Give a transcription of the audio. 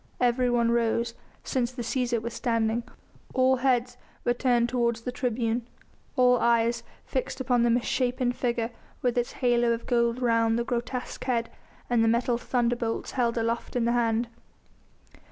Everyone rose, since the Cæsar was standing; all heads were turned towards the tribune, all eyes fixed upon the misshapen figure with its halo of gold round the grotesque head, and the metal thunderbolts held aloft in the hand.